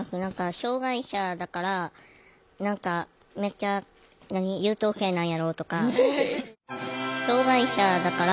障害者だから何かめっちゃ優等生なんやろとか。